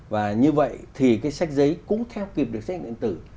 và như vậy thì cái sách giấy cũng theo kịp được sách ảnh tử